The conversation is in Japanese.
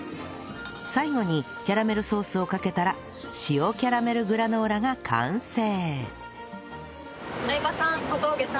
最後にキャラメルソースをかけたら塩キャラメルグラノーラが完成